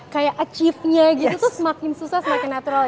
kayak achieve nya gitu tuh semakin susah semakin natural